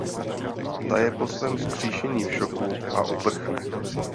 Ta je po svém vzkříšení v šoku a uprchne.